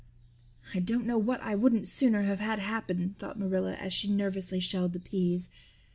"I don't know what I wouldn't sooner have had happen," thought Marilla, as she nervously shelled the peas.